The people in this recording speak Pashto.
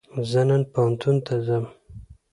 زه نن پوهنتون ته ځم